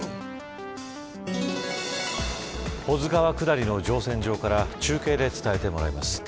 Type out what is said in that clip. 保津川下りの乗船場から中継で伝えてもらいます。